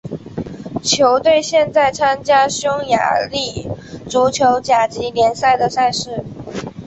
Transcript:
球队现在参加匈牙利足球甲级联赛的赛事。